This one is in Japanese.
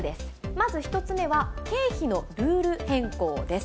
まず１つ目は経費のルール変更です。